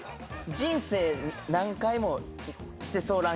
「人生何回もしてそう」って。